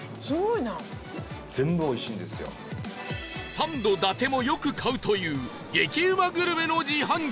サンド伊達もよく買うという激うまグルメの自販機だった